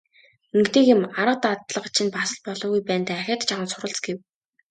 Ингэдэг юм, арга дадлага чинь бас л болоогүй байна даа, ахиад жаахан суралц гэв.